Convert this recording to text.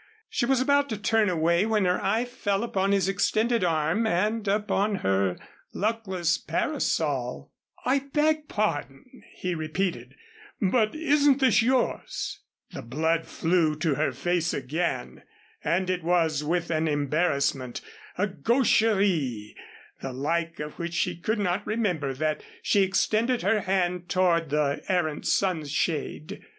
She was about to turn away when her eye fell upon his extended arm and upon her luckless parasol. "I beg pardon," he repeated, "but isn't this yours?" [Illustration: "'I beg pardon,' he repeated, 'but isn't this yours?'"] The blood flew to her face again and it was with an embarrassment, a gaucherie, the like of which she could not remember, that she extended her hand toward the errant sunshade.